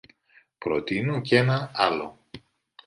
Προτείνω κι ένα άλλο.